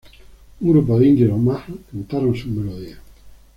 Un grupo de indios Omaha cantaron sus melodías.